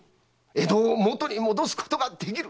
江戸を元に戻すことができる！